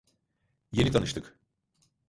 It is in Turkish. Yeni tanıştık.